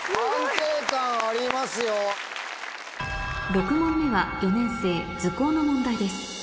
６問目は４年生図工の問題です